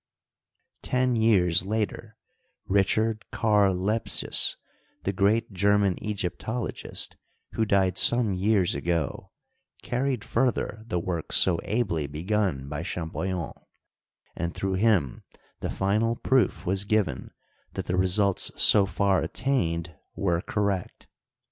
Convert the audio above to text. Ten years later Richard Karl Lepsius, the g^eat German Egyptologist, who died some years ago, carried further the work so ably begun by Cham pollion, and through him the finaJ proof was given that the results so far attained were correct.